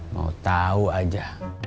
mau tahu aja